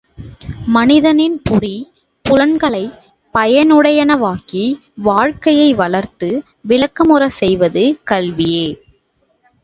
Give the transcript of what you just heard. மனிதனின் பொறி, புலன்களைப் பயனுடையனவாக்கி வாழ்க்கையை வளர்த்து விளக்கமுறச் செய்வது கல்வியே!